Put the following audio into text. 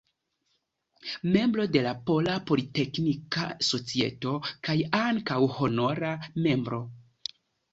Membro de la Pola Politeknika Societo kaj ankaŭ honora membro.